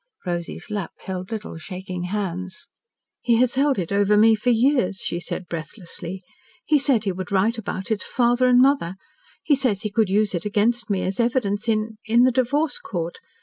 Rosy's lap held little shaking hands. "He has held it over me for years," she said breathlessly. "He said he would write about it to father and mother. He says he could use it against me as evidence in in the divorce court.